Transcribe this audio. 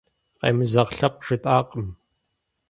Къемызэгъ лъэпкъ жытӏакъым.